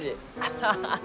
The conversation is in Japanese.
ハハハハ。